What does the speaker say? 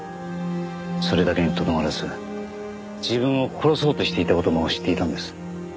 それだけにとどまらず自分を殺そうとしていた事も知っていたんです。